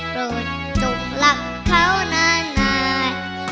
โดนจุกรักเขานานนาย